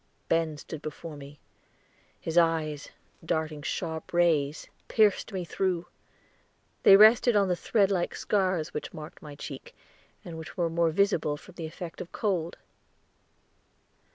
Ben stood before me; his eyes, darting sharp rays, pierced me through; they rested on the thread like scars which marked my cheek, and which were more visible from the effect of cold.